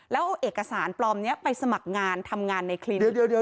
แล้วเอาเอกสารปลอมนี้ไปสมัครงานทำงานในคลินิก